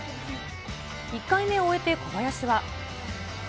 １回目を終えて小林は。